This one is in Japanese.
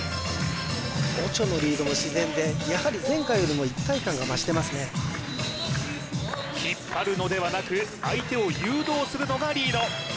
オチョのリードも自然でやはり前回よりも一体感が増してますね引っ張るのではなく相手を誘導するのがリード